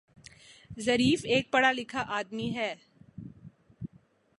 Zarif ایک پڑھا لکھا آدمی ہے